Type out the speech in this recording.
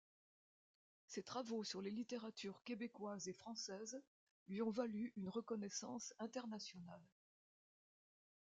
Ses travaux sur les littératures québécoise et française lui ont valu une reconnaissance internationale.